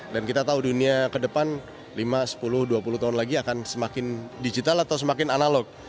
dan kita tahu dunia ke depan lima sepuluh dua puluh tahun lagi akan semakin digital atau semakin analog